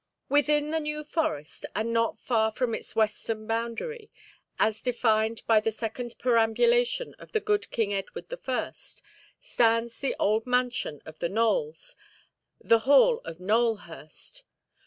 Within the New Forest, and not far from its western boundary, as defined by the second perambulation of the good King Edward the First, stands the old mansion of the Nowells, the Hall of Nowelhurst.